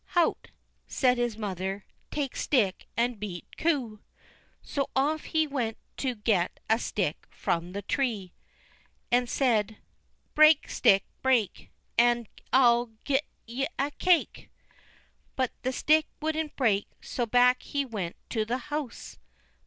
"Hout!" said his mother, "take stick and beat coo." So off he went to get a stick from the tree, and said: "Break, stick, break, And I'll gi'e ye a cake." But the stick wouldn't break, so back he went to the house.